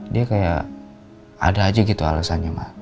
dia kayak ada aja gitu alasannya mah